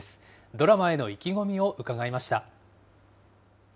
ドラマへの意気込みを伺いました。